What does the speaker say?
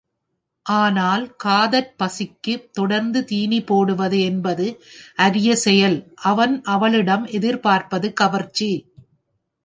ஆனால் காதற் பசிக்குத் தொடர்ந்து தீனி போடுவது என்பது அரிய செயல் அவன் அவளிடம் எதிர் பார்ப்பது கவர்ச்சி.